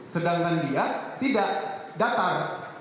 sedangkan dia tidak datar